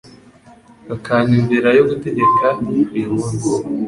ukayumvira ayo ngutegeka uyu munsi